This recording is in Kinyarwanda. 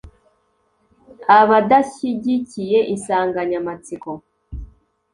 Abadashyigikiye insanganyamatsiko